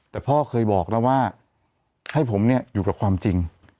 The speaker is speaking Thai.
แต่พ่อเคยบอกนะว่าให้ผมอยู่กับความจริง